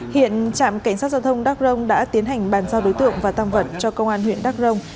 hiện trạm cảnh sát giao thông đắc rông đã tiến hành bàn giao đối tượng và tăng vận cho công an huyện đắk rông